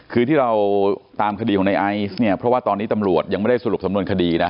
คือที่เราตามคดีของในไอซ์เนี่ยเพราะว่าตอนนี้ตำรวจยังไม่ได้สรุปสำนวนคดีนะ